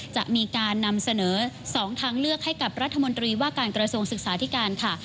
จะมีการนำเสนอ๒ทางเลือกให้กับรัฐมนตรีว่าการกระทรวงศึกษาธิการค่ะ